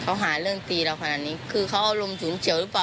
เขาหาเรื่องตีเราขนาดนี้คือเขาอารมณ์ฉุนเฉียวหรือเปล่า